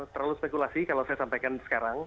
terlalu spekulasi kalau saya sampaikan sekarang